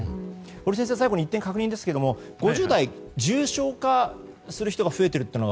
堀先生、最後に１点確認ですが５０代、重症化する人が増えているのは